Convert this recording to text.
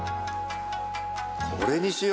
これにしよう！